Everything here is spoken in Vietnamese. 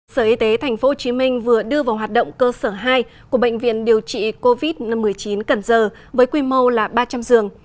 sở y tế tp hcm vừa đưa vào hoạt động cơ sở hai của bệnh viện điều trị covid một mươi chín cần giờ với quy mô là ba trăm linh giường